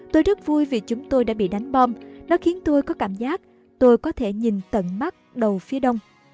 tôi rất vui vì chúng tôi đã bị đánh bom nó khiến tôi có cảm giác tôi có thể nhìn tận mắt đầu phía đông